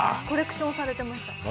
コレクションされてました。